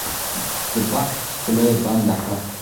د بکس خوله بنده کړه.